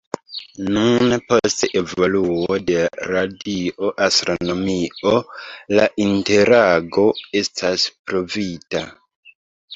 Nun, post evoluo de radio-astronomio la interago estas pruvita.